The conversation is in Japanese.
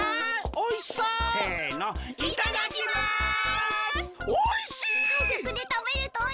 おいしい。